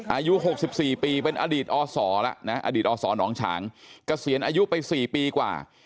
อายุ๖๔ปีเป็นอดีตอศแล้วนะอดีตอศหนองฉางเกษียณอายุไป๔ปีกว่า